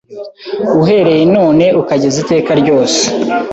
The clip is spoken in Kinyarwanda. uhereye none ukageza iteka ryose"